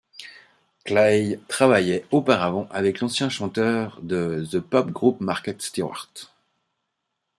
Clail travaillait auparavant avec l'ancien chanteur de The Pop Group Mark Stewart.